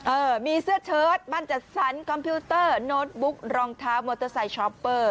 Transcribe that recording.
เออมีเสื้อเชิดบ้านจัดสรรคอมพิวเตอร์โน้ตบุ๊กรองเท้ามอเตอร์ไซค์ช้อปเปอร์